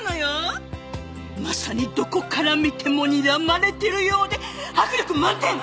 まさにどこから見てもにらまれてるようで迫力満点！